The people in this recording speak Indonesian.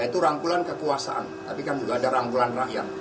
itu rangkulan kekuasaan tapi kan juga ada rangkulan rakyat